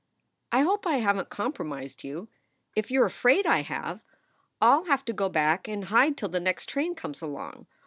I hope I haven t compromised you. If you re afraid I have, I ll have to go back and hide till the next train comes along.